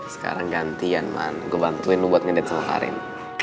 sekarang gantian man gue bantuin lo buat ngedate sama karin